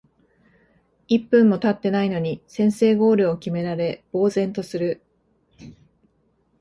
一分もたってないのに先制ゴールを決められ呆然とする